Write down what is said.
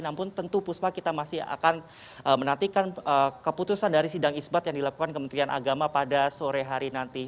namun tentu puspa kita masih akan menantikan keputusan dari sidang isbat yang dilakukan kementerian agama pada sore hari nanti